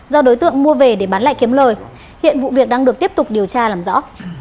do đối tượng mua về để bán lại kiếm lời hiện vụ việc đang được tiếp tục điều tra làm rõ